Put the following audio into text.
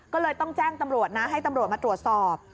ก็เลยต้องแจ้งตำรวจนะให้ตำรวจมาตรวจสอบ